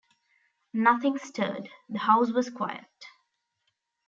Nothing stirred — the house was quiet.